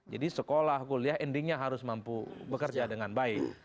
jadi sekolah kuliah endingnya harus mampu bekerja dengan baik